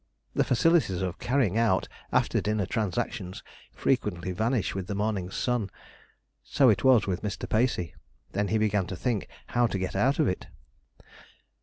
The facilities of carrying out after dinner transactions frequently vanish with the morning's sun. So it was with Mr. Pacey. Then he began to think how to get out of it.